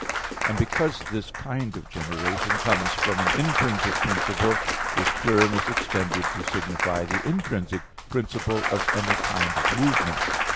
And because this kind of generation comes from an intrinsic principle, this term is extended to signify the intrinsic principle of any kind of movement.